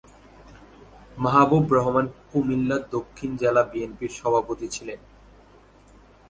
মাহবুবুর রহমান কুমিল্লা দক্ষিণ জেলা বিএনপির সহসভাপতি ছিলেন।